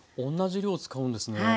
同じ量使うんですね。